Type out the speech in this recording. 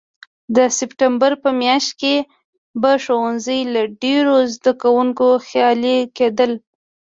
د سپټمبر په میاشت کې به ښوونځي له ډېرو زده کوونکو خالي کېدل.